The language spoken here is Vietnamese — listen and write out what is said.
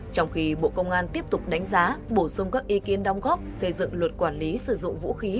trong khi bộ công an tiếp tục đánh giá bổ sung các ý kiến đóng góp xây dựng luật quản lý sử dụng vũ khí